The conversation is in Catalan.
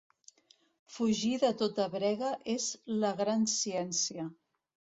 Fugir de tota brega és la gran ciència.